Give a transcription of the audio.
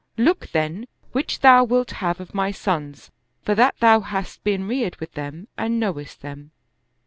Look, then, which thou wilt have of my sons, for that thou hast been reared with them and knowest them."